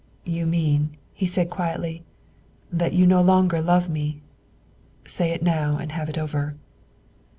"You mean," he said quietly, "that you no longer love me, say it now and have it over."